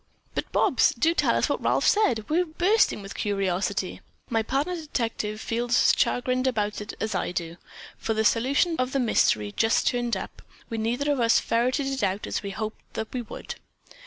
"But, Bobs, do tell us what Ralph said. We're bursting with curiosity." "My partner detective feels as chagrined about it as I do, for the solution of the mystery just turned up; we neither of us ferreted it out as we had hoped that we would."